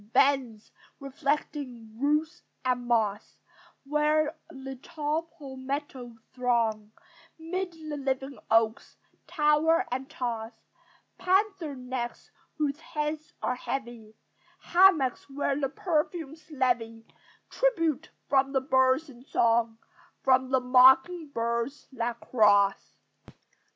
Bends, reflecting root and moss, Where the tall palmettos throng 'Mid the live oaks; tower and toss Panther necks whose heads are heavy: Hamaks, where the perfumes levy Tribute from the birds in song, From the mocking birds that cross.